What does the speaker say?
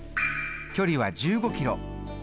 距離は１５キロ。